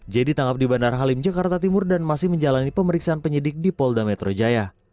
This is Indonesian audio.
j ditangkap di bandara halim jakarta timur dan masih menjalani pemeriksaan penyidik di polda metro jaya